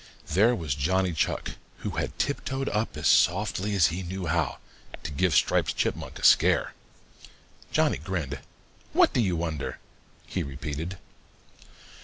There was Johnny Chuck, who had tiptoed up as softly as he knew how, to give Striped Chipmunk a scare. Johnny grinned. "What do you wonder?" he repeated.